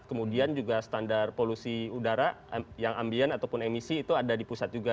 kemudian juga standar polusi udara yang ambien ataupun emisi itu ada di pusat juga